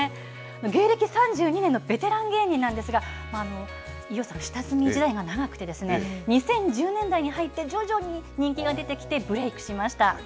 芸歴３２年のベテラン芸人なんですが、飯尾さん、下積み時代が長くて、２０１０年代に入って、徐々に人気が出てきて、ブレークしました。